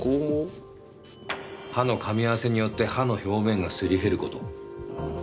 歯の噛み合わせによって歯の表面がすり減る事。